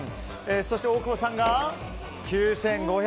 そして大久保さんが９５００円。